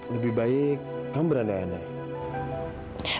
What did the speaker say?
lebih baik kamu berada yang aneh